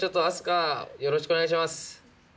よろしくお願いします